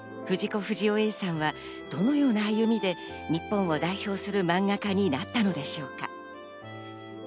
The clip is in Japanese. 不二雄Ａさんはどのような歩みで日本を代表する漫画家になったのでしょうか。